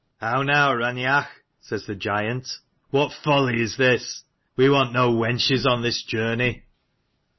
"How now, Raineach?" says the giant: "what folly is this? We want no wenches on this journey."